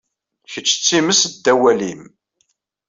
Kečč d timest ddaw walim.